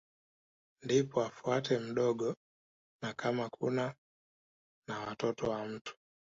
Ndipo afuate mdogo na kama kuna na watoto wa mtu